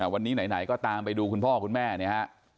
วันนี้ไหนก็ตามไปดูคุณพ่อคุณแม่เนี่ยฮะ